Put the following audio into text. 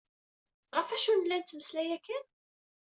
Ɣef acu nella nettmeslay akken?